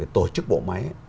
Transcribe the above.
tổ chức bộ máy